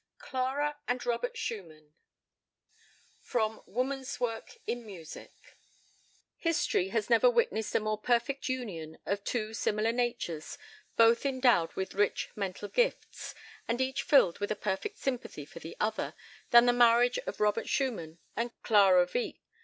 CLARA AND ROBERT SCHUMANN History has never witnessed a more perfect union of two similar natures, both endowed with rich mental gifts, and each filled with a perfect sympathy for the other, than the marriage of Robert Schumann and Clara Wieck.